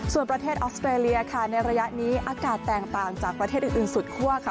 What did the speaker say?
ส่วนประเทศออสเตรเลียค่ะในระยะนี้อากาศแตกต่างจากประเทศอื่นสุดคั่วค่ะ